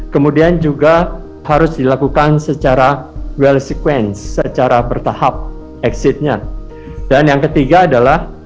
kemudian juga harus dilakukan secara whole sequence secara bertahap exitnya dan yang ketiga adalah